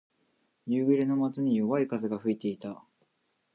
夕暮れの街に、弱い風が吹いていた。